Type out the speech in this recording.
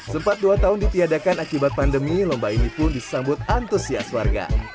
sempat dua tahun ditiadakan akibat pandemi lomba ini pun disambut antusias warga